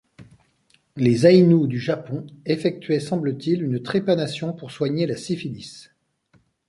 Les Aïnous du Japon effectuaient, semble-t-il, une trépanation pour soigner la syphilis.